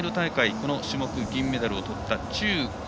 この種目、銀メダルをとった衷黄浩。